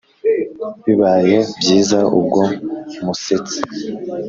bibaye byiza ubwo musetse!!